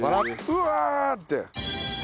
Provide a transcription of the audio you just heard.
うわ！って。